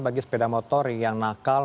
bagi sepeda motor yang nakal